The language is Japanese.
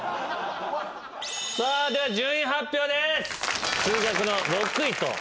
さあでは順位発表です！